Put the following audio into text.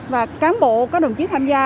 và cán bộ các đồng chí tham gia